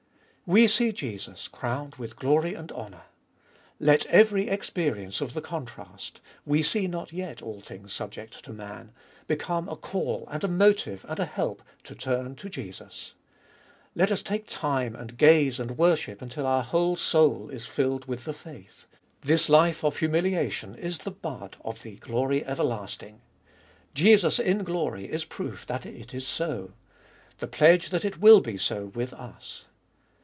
2. We see Jesus crowned with glory and honour. Let every experience of the contrast — we see not yet all things subject to man— become a call and a motive and a help to turn to Jesus. Let us take time and gaze and worship until our whole soul is filled with the faith : this life of humiliation is the bud of the glory everlasting : Jesus in glory is proof that it is so, the pledge that it will be so with us.